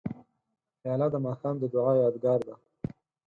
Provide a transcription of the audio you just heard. پیاله د ماښام د دعا یادګار ده.